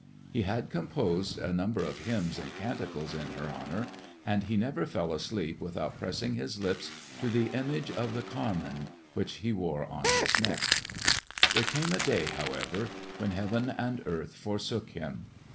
He had composed a number of hymns and canticles in her honor, and he never fell asleep without pressing his lips to the image of the Carmen, which he wore on his neck. There came a day, however, when heaven and earth forsook him.